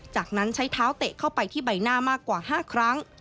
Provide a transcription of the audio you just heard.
จากนั้นใช้เท้าเตะเข้าไปที่ใบหน้ามากกว่า๕ครั้ง